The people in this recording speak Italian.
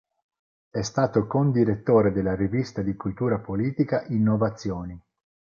È stato Condirettore della rivista di cultura politica “"Innovazioni"”.